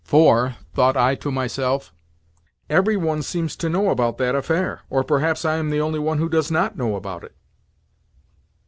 "For," thought I to myself, "every one seems to know about that affair. Or perhaps I am the only one who does not know about it?"